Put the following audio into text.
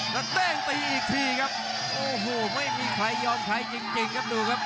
แล้วเต้งตีอีกทีครับโอ้โหไม่มีใครยอมใครจริงครับดูครับ